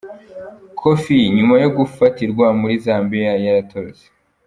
Kofi Nyuma yo gufatirwa muri Zambiya yaratorotse